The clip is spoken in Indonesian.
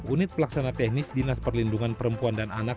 unit pelaksana teknis dinas perlindungan perempuan dan anak